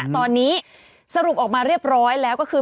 ตอนนี้สรุปออกมาเรียบร้อยแล้วก็คือ